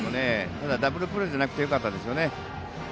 ただ、ダブルプレーじゃなくてよかったですよね。